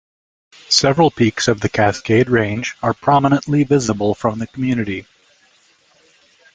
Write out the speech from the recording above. Several peaks of the Cascade Range are prominently visible from the community.